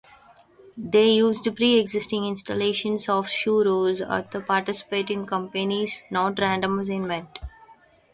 They used pre-existing installations of Shu Roos at the participating companies, not random assignment.